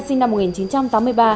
sinh năm một nghìn chín trăm tám mươi ba